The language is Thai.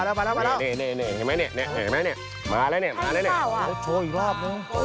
โชว์อีกรอบ